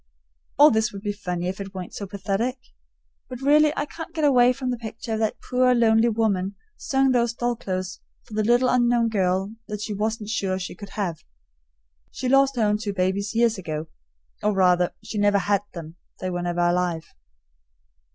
All this would be funny if it weren't so pathetic; but really I can't get away from the picture of that poor lonely woman sewing those doll clothes for the little unknown girl that she wasn't sure she could have. She lost her own two babies years ago, or, rather, she never had them; they were never alive.